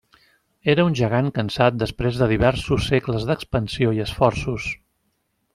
Era un gegant cansat després de diversos segles d'expansió i esforços.